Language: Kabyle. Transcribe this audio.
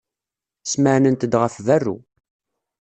Smeɛnent-d ɣef berru.